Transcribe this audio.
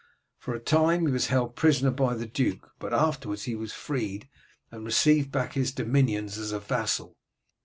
For a time he was held prisoner by the duke, but afterwards he was freed, and received back his dominions as a vassal.